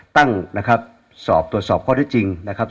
ตั้งนะครับสอบตรวจสอบข้อได้จริงนะครับ